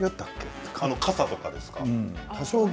傘とかですか？